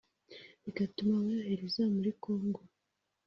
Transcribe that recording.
bigatuma bayohereza muri Congo